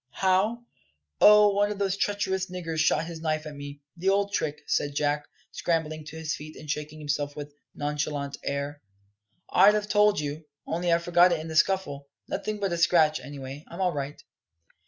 "How? Oh, one of those treacherous niggers shot his knife at me the old trick," said Jack, scrambling to his feet and shaking himself with nonchalant air, "I'd have told you, only I forgot it in the scuffle, Nothing but a scratch, anyway; I'm all right."